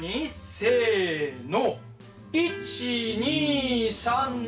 せの。